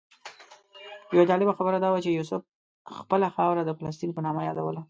یوه جالبه خبره دا وه چې یوسف خپله خاوره د فلسطین په نامه یادوله.